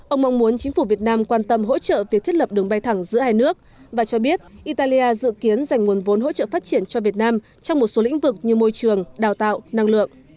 ông mong muốn chính phủ việt nam quan tâm hỗ trợ việc thiết lập đường bay thẳng giữa hai nước và cho biết italia dự kiến dành nguồn vốn hỗ trợ phát triển cho việt nam trong một số lĩnh vực như môi trường đào tạo năng lượng